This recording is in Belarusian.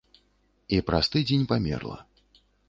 І праз тыдзень памерла.